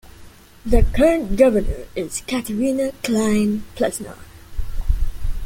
The current governor is Caterina Klein Plesnar.